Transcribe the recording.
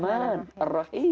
maha pengasih maha pengasih